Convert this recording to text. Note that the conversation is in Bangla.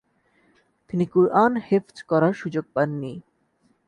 তিনি কুরআন হেফজ করার সুযােগ পান নি।